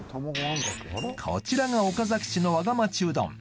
こちらが岡崎市のわが町うどん